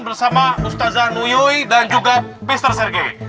bersama ustadz zanuyuy dan juga mr sergei